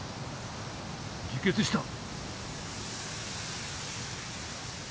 自決した。